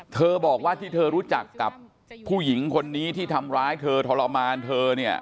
เธอบอกว่าที่เธอรู้จักกับผู้หญิงคนนี้ที่ทำร้ายเธอทรมานเธอเนี่ย